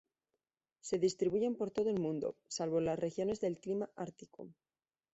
Se distribuyen por todo el mundo, salvo en las regiones de clima ártico.